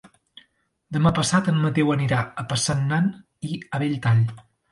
Demà passat en Mateu anirà a Passanant i Belltall.